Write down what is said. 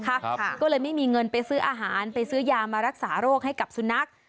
ก็เลยไม่มีเงินไปซื้ออาหารไปซื้อยามารักษาโรคให้กับสุนัข